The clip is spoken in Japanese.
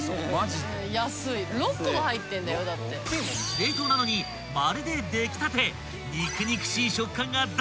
［冷凍なのにまるで出来たて］